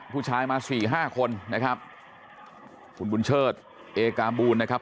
ผู้ชายมาสี่ห้าคนนะครับคุณบุญเชิดเอกาบูลนะครับ